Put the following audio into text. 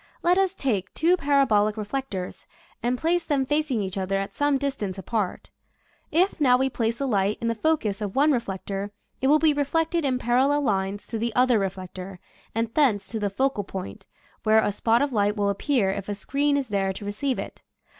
Let us take two parabolic reflectors and place them facing each other at some distance apart. If now we place a light in the focus of one reflector, it will be reflected in parallel lines to the other reflector, and thence to the focal point, where a spot of light will appear if a screen is there to receive it.